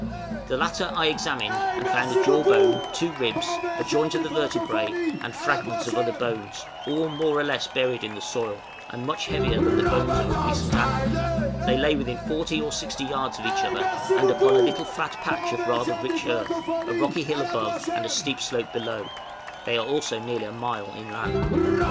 The latter I examined, and found a jaw bone, two ribs, a joint of the vertebræ, and fragments of other bones, all more or less buried in the soil, and much heavier than the bones of a recent animal; they lay within 40 or 60 yards of each other, and upon a little flat patch of rather rich earth, a rocky hill above, and steep slope below; they are also nearly a mile inland.